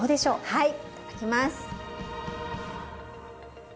はいいただきます。